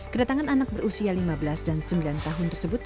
kedatangan anak berusia lima belas dan sembilan tahun tersebut